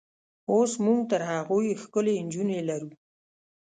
اوس موږ تر هغوی ښکلې نجونې لرو.